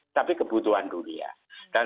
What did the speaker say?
tapi kebutuhan dunia dan